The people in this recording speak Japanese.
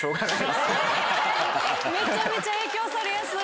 めちゃめちゃ影響されやすい。